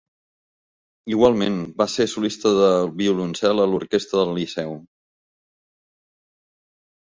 Igualment, va ser solista de violoncel a l'orquestra del Liceu.